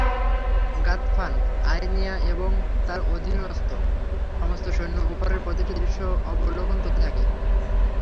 গাতফান, আইনিয়া এবং তার অধীনস্থ সমস্ত সৈন্য ওপারের প্রতিটি দৃশ্য অবলোকন করতে থাকে।